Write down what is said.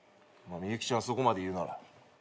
ミユキちゃんがそこまで言うなら。